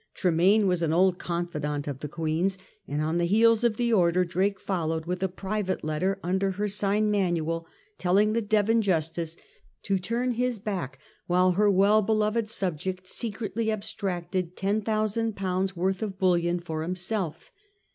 Tremayne was an old confidant of the Queen's ; and on the heels of the order Drake followed with a private letter imder her sign manual telling the Devon justice to turn his back while her well beloved subject secretly abstracted ten thousand poimds' worth of bullion for himself.